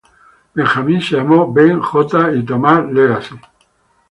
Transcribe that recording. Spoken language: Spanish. Benjamín se llamó "Ben J" y Thomas, "Legacy".